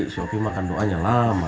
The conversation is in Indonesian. si opi makan doanya lama